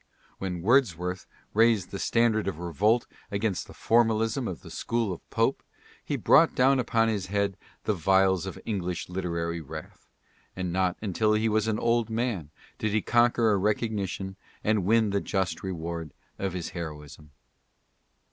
When Wordsworth raised the standard of revolt against the formalism of the school of Pope, he brought down upon his head the vials of English literary wrath, and not until he was an old man did he conquer a recognition and win the just reward of his heroism.